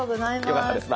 よかったです。